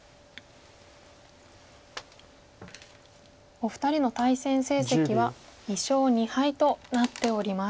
お二人の対戦成績は２勝２敗となっております。